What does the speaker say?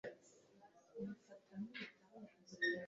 Menyesha niba hari icyo nshobora gukora.